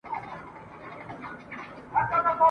ایله خره ته سوه معلوم د ژوند رازونه !.